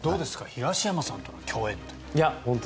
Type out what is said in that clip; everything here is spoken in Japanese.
東山さんとの共演って。